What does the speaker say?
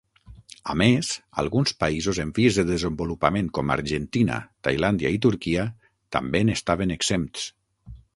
A més, alguns països en vies de desenvolupament com Argentina, Tailàndia i Turquia també n'estaven exempts.